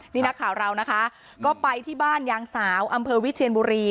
นี่นักข่าวเรานะคะก็ไปที่บ้านยางสาวอำเภอวิเชียนบุรี